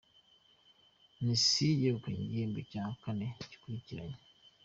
Mesi yegukanye igihembo cya kane yikurikiranyije